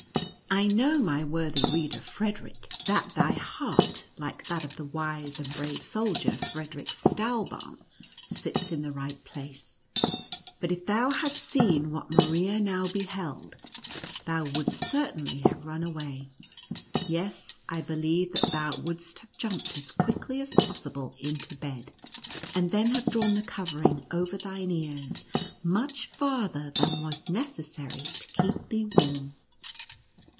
I know, my worthy reader Frederic, that thy heart, like that of the wise and brave soldier Frederic Stahlbaum, sits in the right place, but if thou hadst seen what Maria now beheld, thou wouldst certainly have run away ; yes, I believe that thou wouldst have jumped as quickly as possible into bed, and then have drawn the cov ering over thine ears much farther than was necessary to keep thee warm.